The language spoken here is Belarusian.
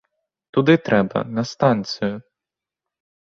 Туды трэба, на станцыю.